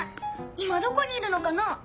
いまどこにいるのかな？